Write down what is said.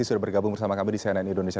sudah bergabung bersama kami di cnn indonesia